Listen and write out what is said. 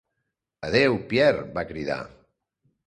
Adéu, Pierre, va cridar.